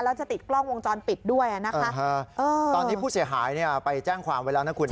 แล้วจะติดกล้องวงจรปิดด้วยนะคะตอนนี้ผู้เสียหายเนี่ยไปแจ้งความไว้แล้วนะคุณ